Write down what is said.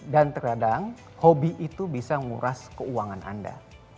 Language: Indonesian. dan terkadang hobi itu bisa nguras keuangan anda